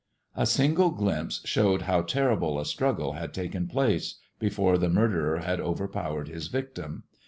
A single glimpse showed how terrible a struggle had taken place before the murderer had overpowered his victim.